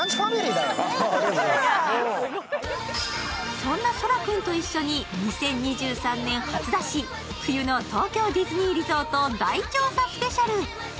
そんな想良君と一緒に２０２３年初出し、冬の東京ディズニーリゾート大調査スペシャル。